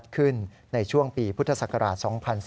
ขึ้นในช่วงปีพุทธศักราช๒๔